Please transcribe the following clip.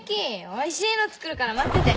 おいしいの作るから待ってて。